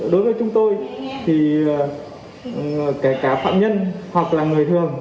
đối với chúng tôi thì kể cả phạm nhân hoặc là người thường